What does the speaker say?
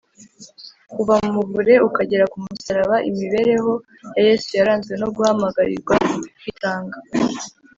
. Kuva mu muvure ukagera ku musaraba, imibereho ya Yesu yaranzwe no guhamagarirwa kwitanga